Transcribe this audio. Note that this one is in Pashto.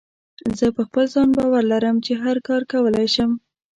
زه په خپل ځان باور لرم چې هر کار کولی شم.